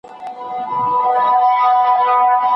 تاسو د غريبانو پوښتنه جاري وساتئ.